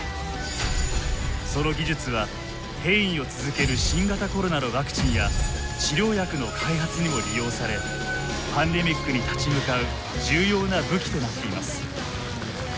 その技術は変異を続ける新型コロナのワクチンや治療薬の開発にも利用されパンデミックに立ち向かう重要な武器となっています。